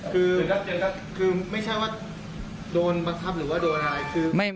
คือไม่ใช่ว่าโดนบังคับหรือว่าโดนอะไรคือ